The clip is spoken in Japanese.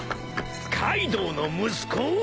［カイドウの息子？］